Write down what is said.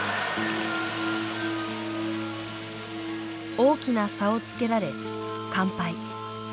大きな差をつけられ完敗。